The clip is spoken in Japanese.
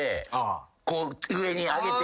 こう上に上げて。